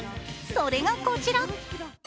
それがこちら。